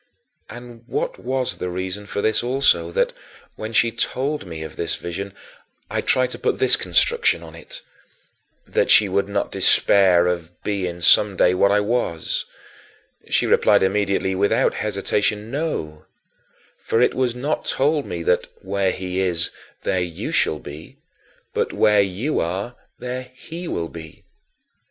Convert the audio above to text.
20. And what was the reason for this also, that, when she told me of this vision, and I tried to put this construction on it: "that she should not despair of being someday what I was," she replied immediately, without hesitation, "No; for it was not told me that 'where he is, there you shall be' but 'where you are, there he will be'"?